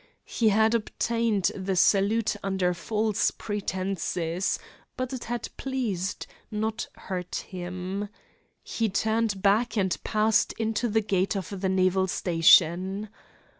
He had obtained the salute under false pretenses, but it had pleased, not hurt him. He turned back and passed into the gate of the naval station.